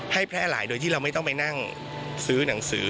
แพร่หลายโดยที่เราไม่ต้องไปนั่งซื้อหนังสือ